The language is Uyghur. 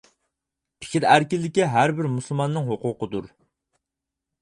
پىكىر ئەركىنلىكى ھەر بىر مۇسۇلماننىڭ ھوقۇقىدۇر.